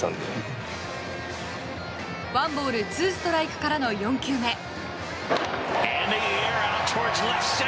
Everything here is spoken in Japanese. １ボール２ストライクからの４球目。